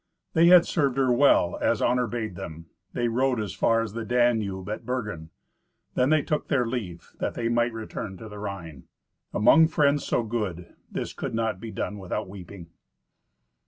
They had served her well as honour bade them. They rode as far as the Danube at Bergen; then they took their leave, that they might return to the Rhine. Among friends so good, this could not be done without weeping.